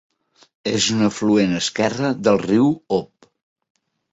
És un afluent esquerre del riu Ob.